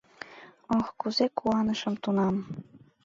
Ох, кузе куанышым тунам!